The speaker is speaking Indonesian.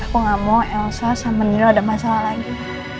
aku gak mau elsa sama nino ada masalah lagi